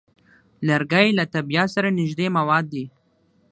لرګی له طبیعت سره نږدې مواد دي.